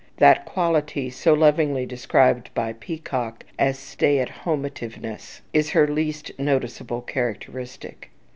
That quality so lovingly described by Peacock as "stayathomeativeness" is her least noticeable characteristic.